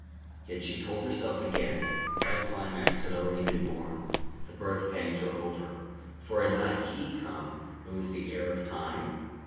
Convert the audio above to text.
Yet, she told herself again, that climax had already been born; the birthpangs were over; for had not He come who was the heir of time?...